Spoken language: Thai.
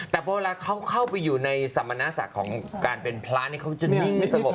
แต่พอแล้วเข้าไปอยู่ในสมนาศักดิ์ของการเป็นพระเนี่ยเขาจะนิ่ง